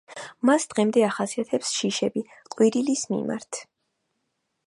მას დღემდე ახასიათებს შიშები ყვირილის მიმართ.